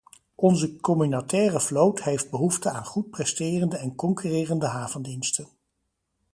Onze communautaire vloot heeft behoefte aan goed presterende en concurrerende havendiensten.